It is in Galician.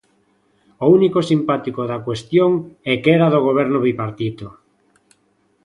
O único simpático da cuestión é que era do Goberno bipartito.